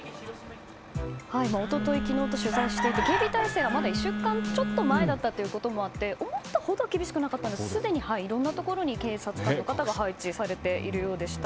一昨日、昨日と取材していて警備態勢はまだ１週間ちょっと前だったということもあって思ったほど厳しくなかったんですがすでにいろんなところに警察官の方が配置されているようでした。